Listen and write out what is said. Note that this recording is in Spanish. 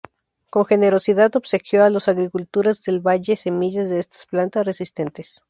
Con generosidad obsequió a los agricultores del valle semillas de estas plantas resistentes.